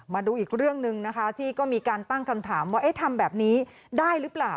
มาดูอีกเรื่องหนึ่งนะคะที่ก็มีการตั้งคำถามว่าทำแบบนี้ได้หรือเปล่า